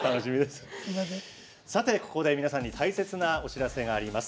さて、ここで皆さんに大切なお知らせがあります。